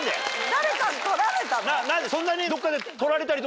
誰かに撮られたの？